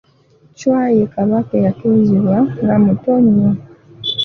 Chwa ye Kabaka eyatuuzibwa nga muto nnyo.